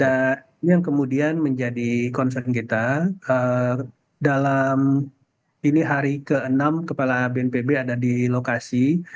dan yang kemudian menjadi concern kita dalam ini hari ke enam kepala bnpb ada di lokasi